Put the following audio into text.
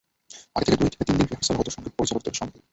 আগে তো দুই থেকে তিন দিন রিহার্সাল হতো সংগীত পরিচালকদের সঙ্গে।